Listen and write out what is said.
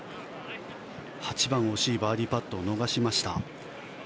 ８番惜しいバーディーパットを逃しました。